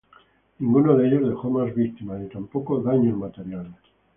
Ninguno de ellos dejó más víctimas y tampoco daños materiales.